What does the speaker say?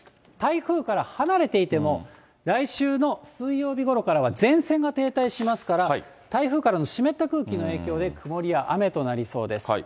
台風から離れていても、来週の水曜日ごろからは前線が停滞しますから、台風からの湿った空気の影響で曇りや雨となりそうです。